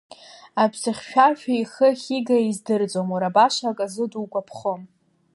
Аԥсыхьшәашәа ихы ахьигара издырӡом, уара баша аказы дугәаԥхом.